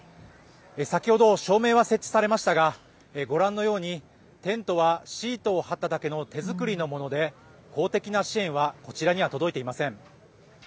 先ほど、照明は設置されましたがご覧のようにテントはシートを張っただけの手作りのもので公的な支援はこちらには届いていません。